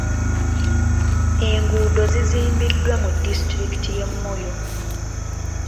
Enguudo zizimbiddwa mu disitulikiti y'e Moyo.